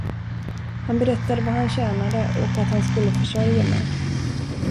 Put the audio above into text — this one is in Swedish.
Han berättade vad han tjänade och att han skulle försörja mig.